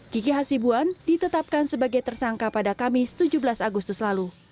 kiki hasibuan ditetapkan sebagai tersangka pada kamis tujuh belas agustus lalu